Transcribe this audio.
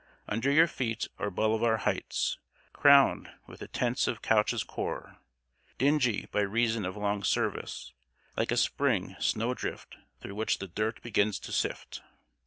Under your feet are Bolivar Hights, crowned with the tents of Couch's Corps dingy by reason of long service, like a Spring snow drift through which the dirt begins to sift.